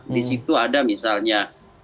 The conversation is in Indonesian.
di situ ada misalnya